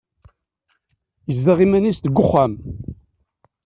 Yezdeɣ iman-is deg uxxam.